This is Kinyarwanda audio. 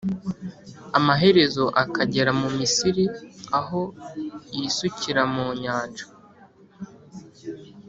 amaherezo akagera mu Misiri aho yisukira mu nyanja